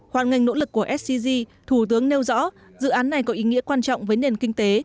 hoàn ngành nỗ lực của scg thủ tướng nêu rõ dự án này có ý nghĩa quan trọng với nền kinh tế